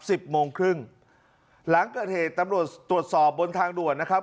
สิบโมงครึ่งหลังเกิดเหตุตำรวจตรวจสอบบนทางด่วนนะครับ